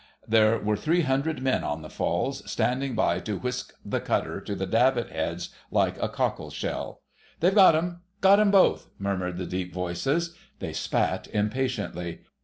There were three hundred men on the falls, standing by to whisk the cutter to the davit heads like a cockle shell. "They've got 'em—got 'em both!" murmured the deep voices: they spat impatiently.